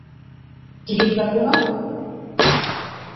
Ticket লাগবে না?